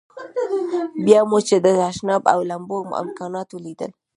بیا مو چې د تشناب او لمبو امکانات ولیدل.